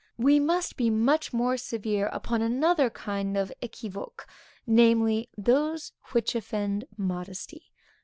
We must be much more severe upon another kind of équivoques; namely, those which offend modesty.